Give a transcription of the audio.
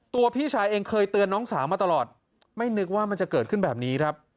พี่ชายเองเคยเตือนน้องสาวมาตลอดไม่นึกว่ามันจะเกิดขึ้นแบบนี้ครับ